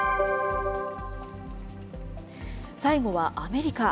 最後はアメリカ。